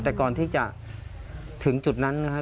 แต่ก่อนที่จะถึงจุดนั้นนะครับ